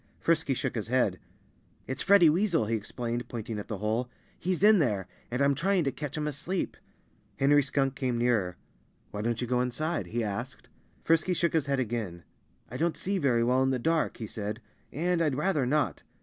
Frisky shook his head. "It's Freddie Weasel " he explained, pointing at the hole. "He's in there; and I'm trying to catch him asleep." Henry Skunk came nearer. "Why don't you go inside?" he asked. Frisky shook his head again. "I don't see very well in the dark," he said, "and I'd rather not."